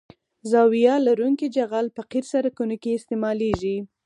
زاویه لرونکی جغل په قیر سرکونو کې استعمالیږي